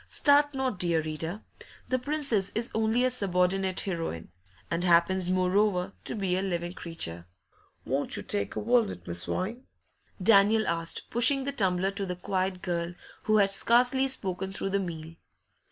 Start not, dear reader; the Princess is only a subordinate heroine, and happens, moreover, to be a living creature. 'Won't you take a walnut, Miss Vine?' Daniel asked, pushing the tumbler to the quiet girl, who had scarcely spoken through the meal.